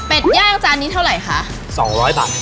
เป็ดย่างจานนี้เท่าไหร่คะ๒๐๐บาท